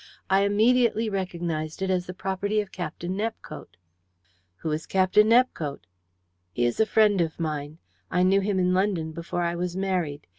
I immediately recognized it as the property of Captain Nepcote." "Who is Captain Nepcote?" "He is a friend of mine. I knew him in London before I was married.